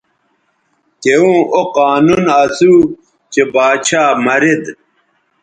توؤں او قانون اسو چہء باچھا مرید